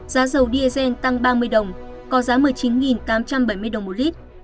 giá dầu diesel tăng ba mươi đồng có giá một mươi chín tám trăm bảy mươi đồng một lít